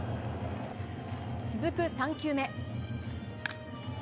続く３球目。